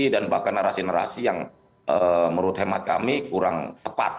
dan bahkan narasi narasi yang menurut hemat kami kurang tepat